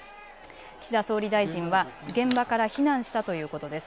岸田総理大臣は現場から避難したということです。